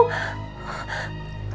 cucu teh bingung